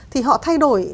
thì họ thay đổi